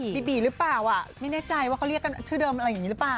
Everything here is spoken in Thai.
บีบีหรือเปล่าไม่แน่ใจว่าเขาเรียกกันชื่อเดิมอะไรอย่างนี้หรือเปล่า